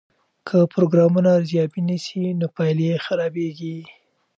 که پروګرامونه ارزیابي نسي نو پایلې یې خرابیږي.